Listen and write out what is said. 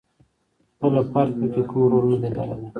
خپله فرد پکې کوم رول ندی لرلای.